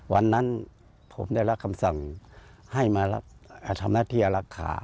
วันนั้นผมได้รับคำสั่งให้มารับอธรรมที่อลักษณ์ค่ะ